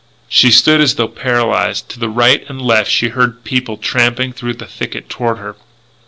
She stood as though paralysed. To the right and left she heard people trampling through the thicket toward her.